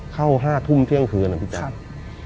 เข้า๕ทุ่มเที่ยงคืนนะพี่แจ๊ค